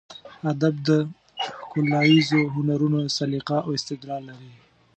ادب د ښکلاییزو هنرونو سلیقه او استدلال لري.